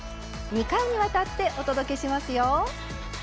２回にわたってお届けしますよ。